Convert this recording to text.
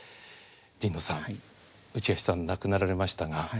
神野さん内橋さん亡くなられましたが。